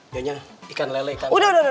dianya ikan lele ikan lele